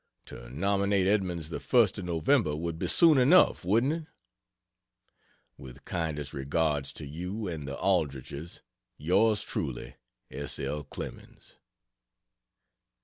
To nominate Edmunds the 1st of November, would be soon enough, wouldn't it? With kindest regards to you and the Aldriches, Yr Truly S. L. CLEMENS.